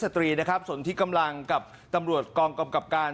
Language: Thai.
และสตรีนะครับสนทิศกำลังกับตำรวจกรมกับการ